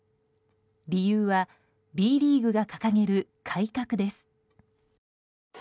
理由はＢリーグが掲げる改革です。